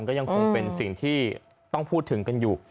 ก็ยังคงเป็นสิ่งที่ต้องพูดถึงกันอยู่